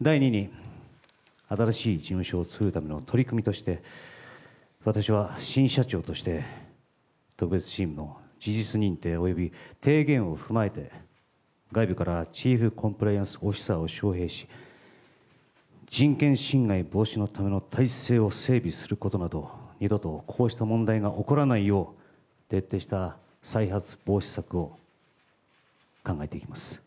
第２に、新しい事務所を作るための取り組みとして、私は新社長として特別チームの事実認定および提言を踏まえて、外部からチーフコンプライアンスオフィサーを招へいし、人権侵害防止のための体制を整備することなど、二度とこうした問題が起こらないよう、徹底した再発防止策を考えていきます。